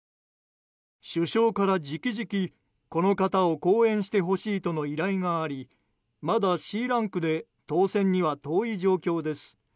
首相から直々この方を後援してほしいとの依頼があり、まだＣランクで当選には遠い状況です。